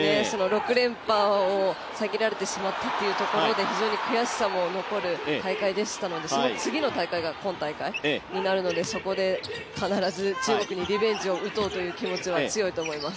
６連覇を遮られてしまったというところで非常に悔しさも残る大会でしたのでその次の大会が今大会になるのでそこで必ず中国にリベンジを打とうという気持ちが強いと思います。